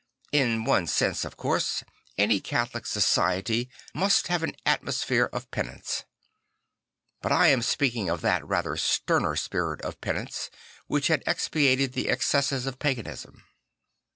In one sense, of course, any Catholic society must have an atmosphere 3 6 St. Francis of Assisi of penance; but I am speaking of that rather sterner spirit of penance which had expiated the excesses of paganism.